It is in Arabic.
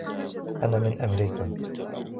أنا من أمريكا.